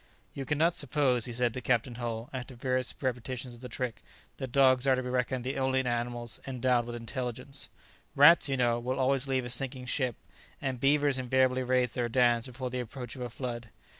"You cannot suppose," he said to Captain Hull, after various repetitions of the trick, "that dogs are to be reckoned the only animals endowed with intelligence Rats, you know, will always leave a sinking ship, and beavers invariably raise their dams before the approach of a flood.